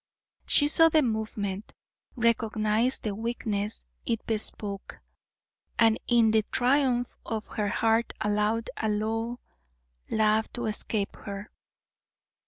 She saw the movement, recognised the weakness it bespoke, and in the triumph of her heart allowed a low laugh to escape her.